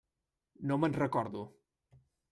No me'n recordo.